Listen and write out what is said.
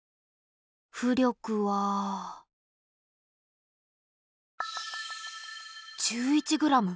浮力は１１ｇ。